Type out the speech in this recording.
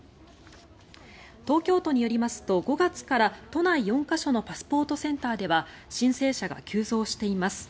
東京都によりますと５月から都内４か所のパスポートセンターでは申請者が急増しています。